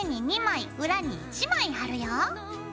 裏に１枚貼るよ。